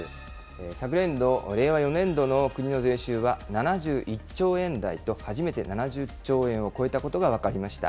昨年度・令和４年度の国の税収は７１兆円台と、初めて７０兆円を超えたことが分かりました。